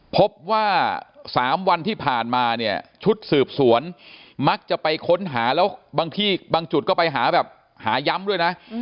พบว่า๓วันที่ผ่านมาเนี่ยชุดสืบสวนมักจะไปค้นหาแล้วบางที่บางจุดก็ไปหาแบบหาย้ำด้วยนะ